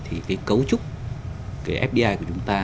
thì cấu trúc fdi của chúng ta